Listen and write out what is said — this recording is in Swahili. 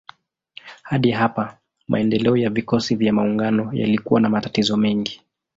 Hadi hapa maendeleo ya vikosi vya maungano yalikuwa na matatizo mengi.